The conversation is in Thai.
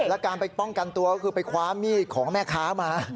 แล้วการไปป้องกันตัวก็คือไปคว้ามีดของแม่ค้ามา